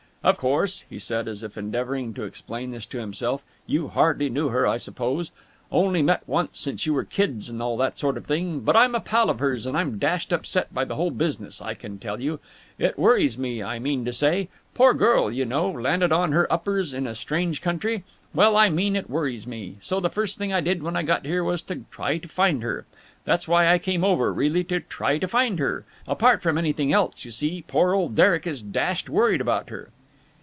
"Of course," he said, as if endeavouring to explain this to himself, "you hardly knew her, I suppose. Only met once since you were kids and all that sort of thing. But I'm a pal of hers and I'm dashed upset by the whole business, I can tell you. It worries me, I mean to say. Poor girl, you know, landed on her uppers in a strange country. Well, I mean, it worries me. So the first thing I did when I got here was to try to find her. That's why I came over, really, to try to find her. Apart from anything else, you see, poor old Derek is dashed worried about her."